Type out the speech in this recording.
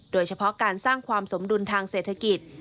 โดยเฉพาะการสร้างความสมดุลทางเศรษฐกิจ